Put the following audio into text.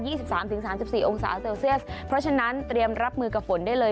สิบสามถึงสามสิบสี่องศาเซลเซียสเพราะฉะนั้นเตรียมรับมือกับฝนได้เลย